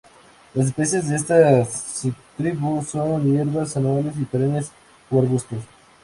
Las especies de esta subtribu son hierbas anuales, perennes o arbustos.